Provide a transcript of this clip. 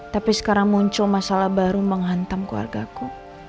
tapi sekarang muncul masalah baru menghantam keluarga ku